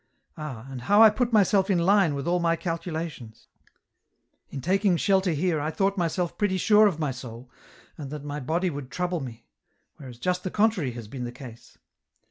" Ah, and how I put myself in line with all my calcula tions ! In taking shelter here I thought myself pretty sure of my soul, and that my body would trouble me ; whereas just the contrary has been the case.